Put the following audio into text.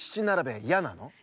ならべいやなの？